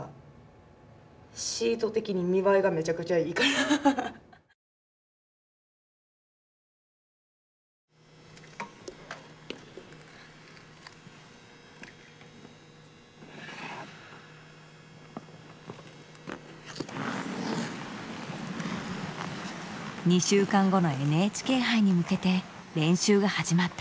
やっぱり２週間後のＮＨＫ杯に向けて練習が始まった。